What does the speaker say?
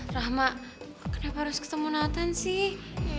rahma kenapa harus ke temun nathan sih